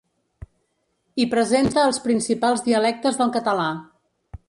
Hi presenta els principals dialectes del català.